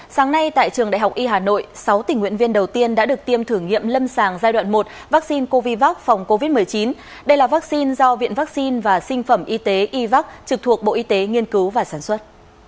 sáng nay tại trường đại học y hà nội sáu tình nguyện viên đầu tiên đã được tiêm thử nghiệm lâm sàng giai đoạn một vaccine covid một mươi chín đây là vaccine do viện vaccine và sinh phẩm y tế ivac trực thuộc bộ y tế nghiên cứu và sản xuất